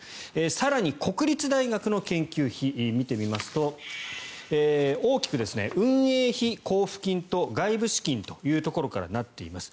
更に国立大学の研究費を見てみますと大きく運営費交付金と外部資金というところからなっています。